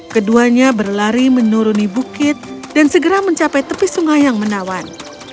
keduanya berlari menuruni bukit dan segera mencapai tepi sungai yang menawan